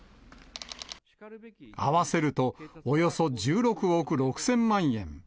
合わせると、およそ１６億６０００万円。